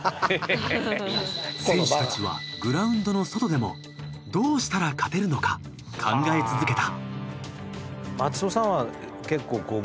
選手たちはグラウンドの外でもどうしたら勝てるのか考え続けた。